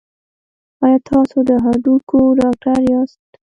ایا تاسو د هډوکو ډاکټر یاست؟